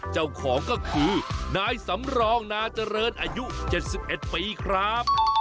เจ้าของก็คือนายสำรองนาเจริญอายุ๗๑ปีครับ